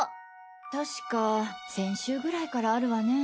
確か先週ぐらいからあるわねぇ？